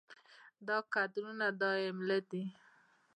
دا کدرونه دا يې مله دي